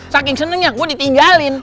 saking senengnya gue ditinggalin